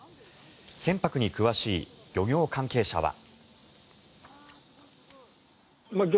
船舶に詳しい漁業関係者は。